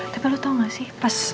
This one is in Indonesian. tapi lo tau gak sih